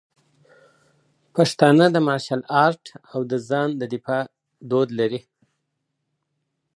پښتانه د مارشل آرټ او د ځان د دفاع دود لري.